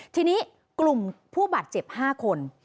ทีนี้กลุ่มผู้บาดเจ็บ๕คน